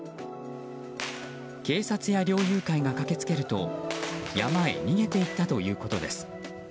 警察や猟友会が駆けつけると山へ逃げていったということです。